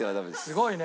すごいね。